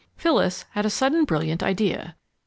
Phyllis had a sudden brilliant idea.